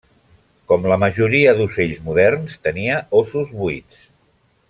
Com la majoria d'ocells moderns, tenia ossos buits.